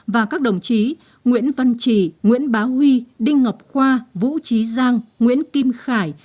và các đồng chí nguyễn văn trì nguyễn bá huy đinh ngọc khoa vũ trí giang nguyễn kim khải